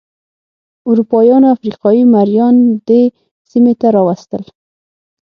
اروپایانو افریقايي مریان دې سیمې ته راوستل.